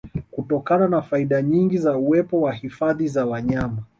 Kutokana na faida nyingi za uwepo wa Hifadhi za wanyama